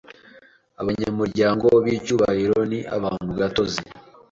Abanyamuryango b icyubahiro ni abantu gatozi